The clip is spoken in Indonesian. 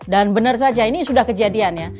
dan bener saja ini sudah kejadian ya